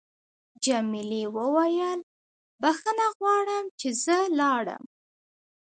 جميلې وويل: بخښنه غواړم چې زه لاړم.